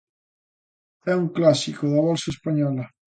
É un clásico da Bolsa española.